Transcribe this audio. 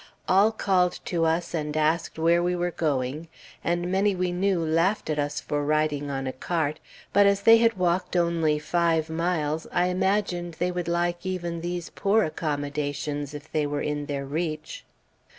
All called to us and asked where we were going, and many we knew laughed at us for riding on a cart; but as they had walked only five miles, I imagined they would like even these poor accommodations if they were in their reach.